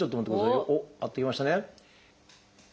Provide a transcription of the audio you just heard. おっ合ってきましたね。